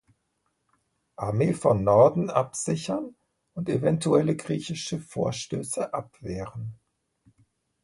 Armee von Norden absichern und eventuelle griechische Vorstöße abwehren.